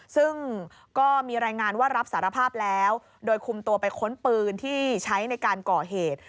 ซึ่งก็มีรายงานว่ารับสารภาพแล้วโดยคุมตัวไปค้นปืนที่ใช้ในการก่อเหตุ